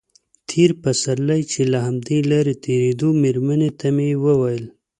تېر پسرلی چې له همدې لارې تېرېدو مېرمنې ته مې ویل.